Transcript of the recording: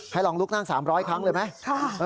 ลองลุกนั่ง๓๐๐ครั้งเลยไหม